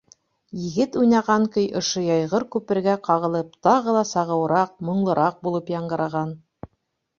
Егет уйнаған көй ошо йәйғор-күпергә ҡағылып тағы ла сағыуыраҡ, моңлораҡ булып яңғыраған.